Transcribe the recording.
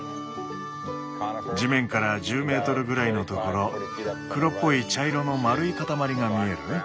地面から１０メートルぐらいのところ黒っぽい茶色の丸い塊が見える？